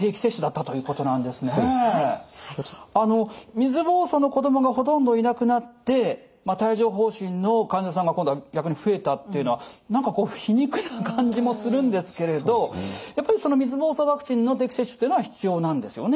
水ぼうそうの子供がほとんどいなくなって帯状ほう疹の患者さんが今度は逆に増えたっていうのは何か皮肉な感じもするんですけれどやっぱり水ぼうそうワクチンの定期接種っていうのは必要なんですよね？